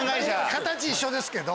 形一緒ですけど。